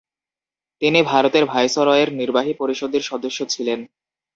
তিনি ভারতের ভাইসরয়ের নির্বাহী পরিষদের সদস্য ছিলেন।